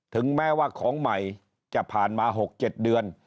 ถึงแม้ว่าของใหม่จะผ่านมา๖๗เดือน